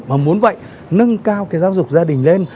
mà muốn vậy nâng cao cái giáo dục gia đình lên